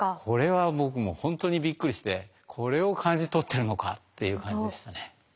これは僕もほんとにびっくりしてこれを感じ取ってるのかっていう感じでしたね。